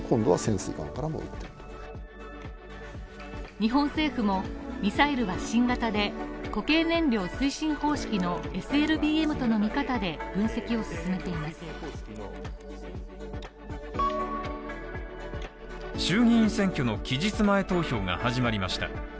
日本政府も、ミサイルは新型で固形燃料推進方式のＳＬＢＭとの見方で分析を進めています衆議院選挙の期日前投票が始まりました。